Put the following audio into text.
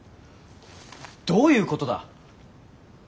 どういうことだ？